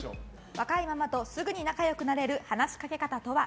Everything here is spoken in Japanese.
若いママとすぐに仲良くなれる話しかけ方とは？